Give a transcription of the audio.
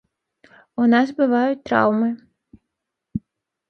У нас бываюць траўмы.